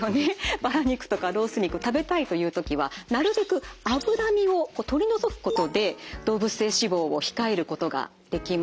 バラ肉とかロース肉食べたいという時はなるべく脂身を取り除くことで動物性脂肪を控えることができます。